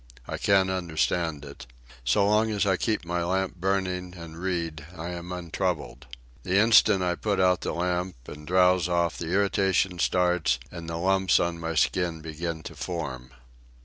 I can't understand it. So long as I keep my lamp burning and read I am untroubled. The instant I put out the lamp and drowse off the irritation starts and the lumps on my skin begin to form.